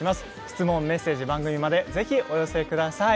質問、メッセージ、番組までぜひ、お寄せください。